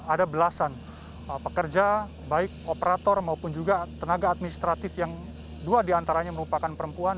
ada belasan pekerja baik operator maupun juga tenaga administratif yang dua diantaranya merupakan perempuan